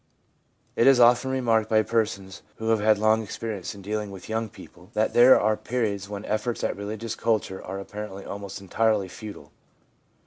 It is often remarked by persons who have had long experience in dealing with young 2i2 THE PSYCHOLOGY OF RELIGION people, that there are periods when efforts at religious culture are apparently almost entirely futile.